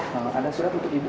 mama anda sudah putus ibu